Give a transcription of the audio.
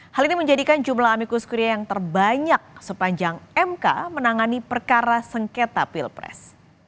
hal ini menjadikan jumlah amikus kuria yang terbanyak sepanjang mk menangani perkara sengketa pilpres